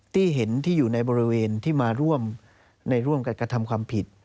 ที่เห็นที่อยู่ในบริเวณที่มาร่วมในร่วมกับกระทำความผิด